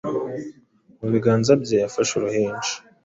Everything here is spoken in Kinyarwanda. Mu biganza bye yafashe uruhinja